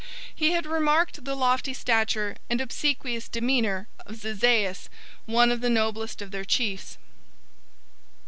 He had remarked the lofty stature and obsequious demeanor of Zizais, one of the noblest of their chiefs.